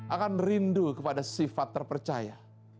akan rindu kepada sifat terpercaya